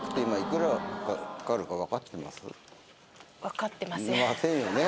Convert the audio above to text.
だって。ませんよね。